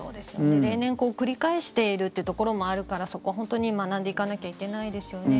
例年、繰り返しているというところもあるからそこは本当に学んでいかなきゃいけないですよね。